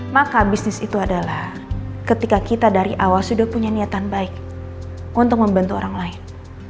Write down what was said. maka bisnis itu adalah ketika kita dari awal sudah punya niatan baik untuk membantu orang lain